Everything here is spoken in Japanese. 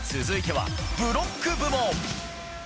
続いては、ブロック部門。